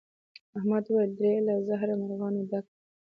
احمد وويل: دره له زهري مرغانو ډکه ده.